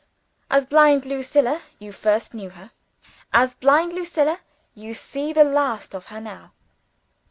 As blind Lucilla, you first knew her. As blind Lucilla, you see the last of her now.